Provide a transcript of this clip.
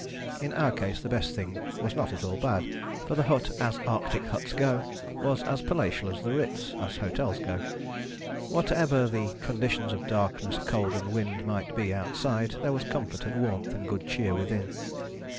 In our case the best thing was not at all bad, for the hut, as Arctic huts go, was as palatial as is the Ritz, as hotels go. Whatever the conditions of darkness, cold and wind, might be outside, there was comfort and warmth and good cheer within.